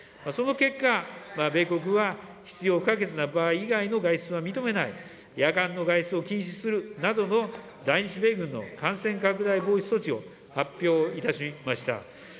その結果、米国は、必要不可欠な場合以外の外出は認めない、夜間の外出を禁止するなどの、在日米軍の感染拡大防止措置を発表いたしました。